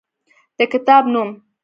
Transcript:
د کتاب نوم: